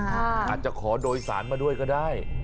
อาจจะขอโดยสารมาด้วยก็ได้